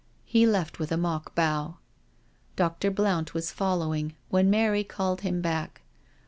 He left with a mock bow. Dr. Blount was following, when Mary called him back.